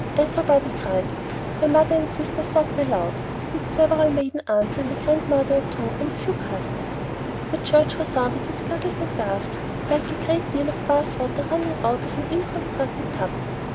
Everybody cried. Her mother and sister sobbed aloud, so did several maiden aunts and a grandmother or two and a few cousins. The church resounded with guggles and gasps, like a great deal of bath water running out of an ill constructed tub.